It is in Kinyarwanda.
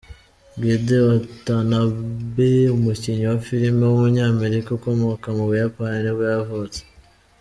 Gedde Watanabe, umukinnyi wa filimw w’umunyamerika ukomoka mu Buyapani nibwo yavutse.